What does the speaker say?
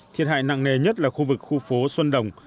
thiệt hại nặng nề nhất là khu vực khu phố xuân đồng